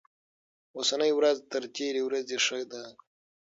اوسنۍ ورځ تر تېرې ورځې ښه ده.